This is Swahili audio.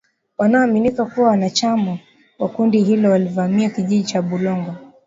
wanaoaminika kuwa wanachama wa kundi hilo walivamia kijiji cha Bulongo